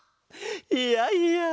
いやいや。